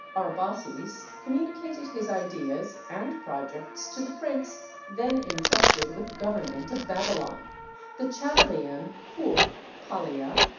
Arbaces communicated his ideas and projects to the prince then intrusted with the government of Babylon, the Chaldæan Phul (Palia?)